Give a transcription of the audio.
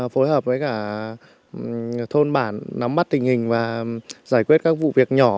phối hợp với cả thôn bản nắm mắt tình hình và giải quyết các vụ việc nhỏ